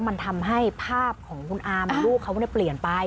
มันทำให้ภาพของคุณอามลูกเขาเปลี่ยนไป